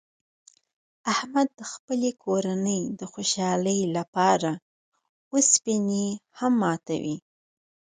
احمد د خپلې کورنۍ د خوشحالۍ لپاره اوسپنې هم ماتوي.